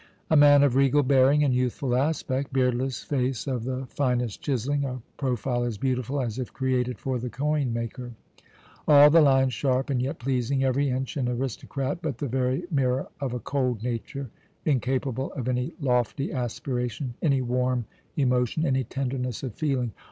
"A man of regal bearing and youthful aspect; beardless face of the finest chiselling, a profile as beautiful as if created for the coin maker; all the lines sharp and yet pleasing; every inch an aristocrat; but the very mirror of a cold nature, incapable of any lofty aspiration, any warm emotion, any tenderness of feeling.